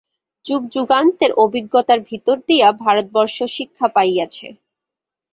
যুগ-যুগান্তের অভিজ্ঞতার ভিতর দিয়া ভারতবর্ষ শিক্ষা পাইয়াছে।